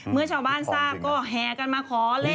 เมื่อชาวบ้านทราบก็แห่กันมาขอเลข